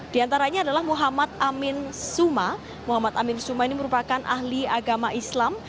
di antaranya adalah muhammad amin suma muhammad amin suma ini merupakan ahli agama islam